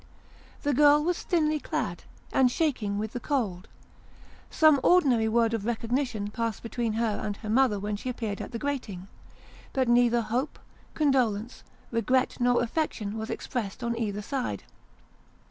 The girl was thinly clad, and shaking with the cold. Some ordinary word of recognition passed between her and her mother when she appeared at the grating, but neither hope, condolence, regret, nor affection was expressed on either side.